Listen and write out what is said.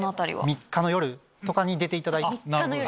３日の夜とかに出ていただいて。